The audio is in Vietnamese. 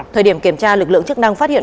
thời điểm kiểm tra lực lượng chức năng phát hiện